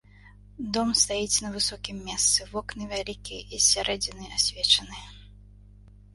Дом стаіць на высокім месцы, вокны вялікія і з сярэдзіны асвечаны.